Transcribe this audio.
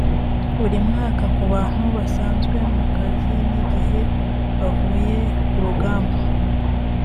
buri mwaka ku bantu basanzwe mu kazi n igihe bavuye kurugamba